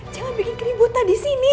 jangan bikin keributan disini